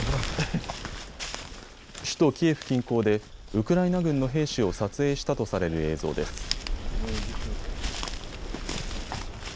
首都キエフ近郊でウクライナ軍の兵士を撮影したとされる映像です。